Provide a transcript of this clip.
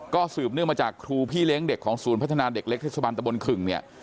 ก็สืบเนื่องมาจากครูพี่เลี้ยงเด็กของศูนย์พัฒนาเด็กเล็กเทศบาลตะบนขึ่งเนี่ย